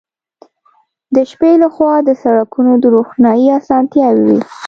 د شپې له خوا د سړکونو د روښنايي اسانتیاوې وې